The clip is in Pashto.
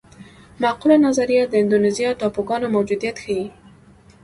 معقوله نظریه د اندونیزیا ټاپوګانو موجودیت ښيي.